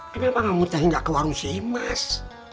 kenapa kamu teh nggak ke warung si imas